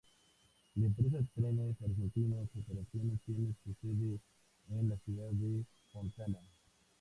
La empresa Trenes Argentinos Operaciones tiene su sede en la ciudad de Fontana.